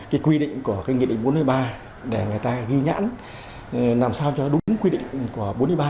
cái quy định của cái nghị định bốn mươi ba để người ta ghi nhãn làm sao cho đúng quy định của bốn mươi ba